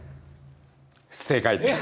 正解です。